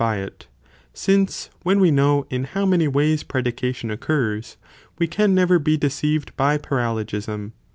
y it, since when we know in how many ways predication occurs, we can never be deceived by paralogism